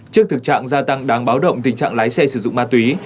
trước thực trạng gia tăng đáng báo động tình trạng lái xe sử dụng ma túy